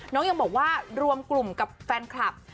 ยังบอกว่ารวมกลุ่มกับแฟนคลับ